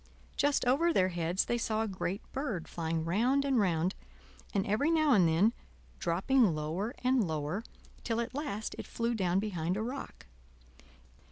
Just over their heads they saw a great bird flying round and round, and every now and then, dropping lower and lower, till at last it flew down behind a rock.